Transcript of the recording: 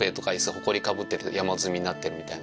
ホコリかぶってて山積みになってるみたいな。